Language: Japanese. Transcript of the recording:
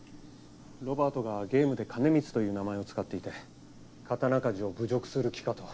ロバートがゲームで兼光という名前を使っていて刀鍛冶を侮辱する気かと。